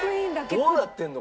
どうなってんの？